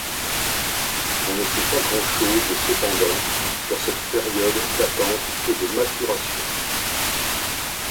On ne sait pas grand chose cependant sur cette période d'attente et de maturation.